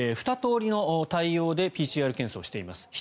２通りの対応でＰＣＲ検査をしています。